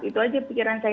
itu aja pikiran saya